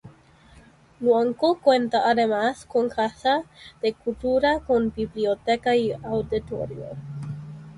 Luanco cuenta además con Casa de Cultura con biblioteca y auditorio.